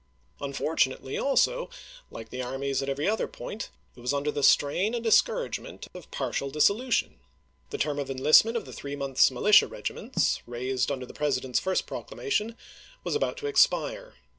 Unfortu nately also, like the armies at every other point, it was under the strain and discouragement of partial Vol. III., p. 397. FREMONT 407 dissolution. The term of enlistment of the three ch. xxiii. months' militia regiments, raised under the Presi dent's first proclamation, was about to expu e.